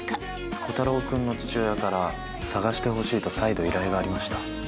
コタロー君の父親から捜してほしいと再度、依頼はありました。